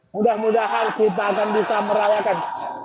mudah mudahan kita akan bisa merayakan